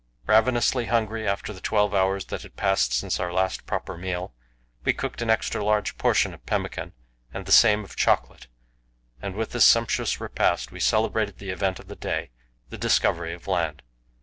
Ravenously hungry after the twelve hours that had passed since our last proper meal, we cooked an extra large portion of pemmican and the same of chocolate, and with this sumptuous repast we celebrated the event of the day the discovery of land.